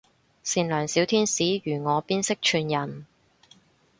善良小天使如我邊識串人